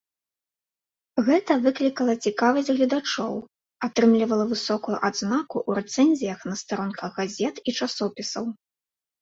Гэта выклікала цікавасць гледачоў, атрымлівала высокую адзнаку ў рэцэнзіях на старонках газет і часопісаў.